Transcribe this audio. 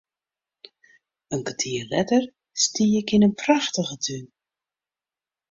In kertier letter stie ik yn in prachtige tún.